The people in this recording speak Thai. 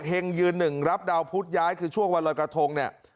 ยืนหนึ่งรับดาวพุธย้ายคือช่วงวันรอยกระทงเนี่ย